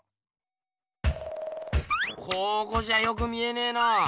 ここじゃよく見えねえな。